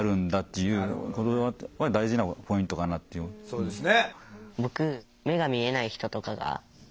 そうですね。